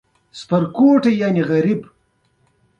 د ګلونو ګېډۍ هم ښکته شوې.